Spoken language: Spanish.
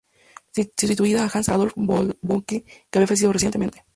Sustituía a Hans-Adolf von Moltke, que había fallecido recientemente.